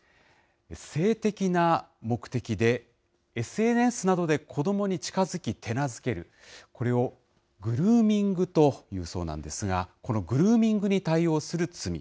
性的な目的でＳＮＳなどで子どもに近づき手なずける、これをグルーミングと言うそうなんですが、このグルーミングに対応する罪。